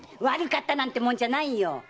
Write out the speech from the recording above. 悪かったなんてもんじゃないよ！